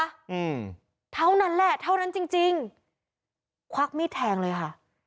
อืมเท่านั้นแหละเท่านั้นจริงจริงควักมีดแทงเลยค่ะ